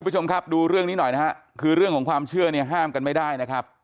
คุณผู้ชมครับดูเรื่องนี้หน่อยนะฮะคือเรื่องของความเชื่อเนี่ยห้ามกันไม่ได้นะครับ